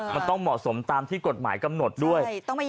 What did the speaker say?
มันต้องเหมาะสมตามที่กฎหมายกำหนดด้วย